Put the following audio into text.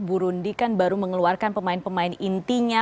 burundi kan baru mengeluarkan pemain pemain intinya